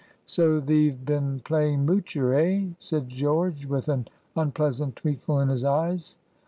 "So thee've been playing moocher, eh?" said George, with an unpleasant twinkle in his eyes.